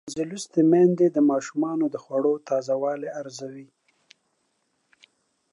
ښوونځې لوستې میندې د ماشومانو د خوړو تازه والی ارزوي.